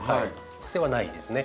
癖はないですね。